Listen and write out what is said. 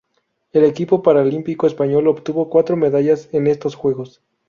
El equipo paralímpico español obtuvo cuatro medallas en estos Juegos.